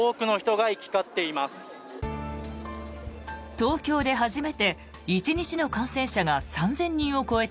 東京で初めて１日の感染者が３０００人を超えた